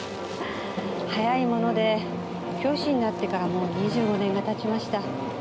早いもので教師になってからもう２５年が経ちました。